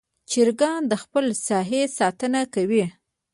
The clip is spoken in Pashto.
چرګان د خپل ساحې ساتنه کوي.